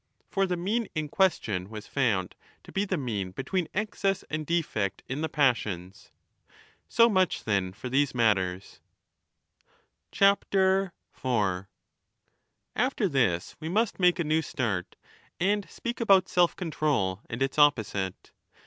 For the mean in question was found ^ to be the mean between excess and defect in the passions. 35 So much then for these matters. After this we must make a new start and speak about 4 self control and its opposite.